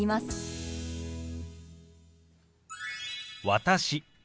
「私」